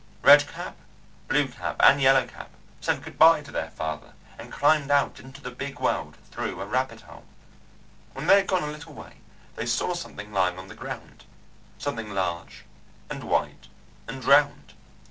Red Cap, Blue Cap and Yellow Cap said good bye to their father and climbed out into the Big World through a rabbit hole. When they had gone a little way they saw something lying on the ground. Something large and white and round.